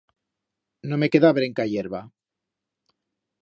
No me queda brenca hierba.